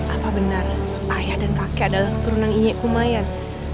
apa benar ayah dan kakek adalah keturunan inyek kumayan